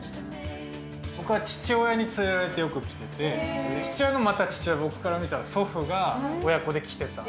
僕は父親に連れられてよく来てて、父親のまた父親、僕から見たら祖父が親子で来てた。